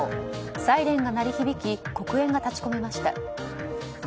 サイレンが鳴り響き黒煙が立ち込めました。